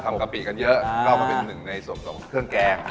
กะปิกันเยอะก็มาเป็นหนึ่งในส่วนของเครื่องแกง